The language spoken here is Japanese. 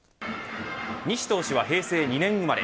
西投手は平成２年生まれ。